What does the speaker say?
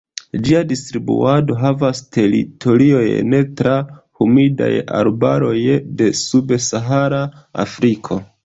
Ĝia distribuado havas teritoriojn tra humidaj arbaroj de subsahara Afriko.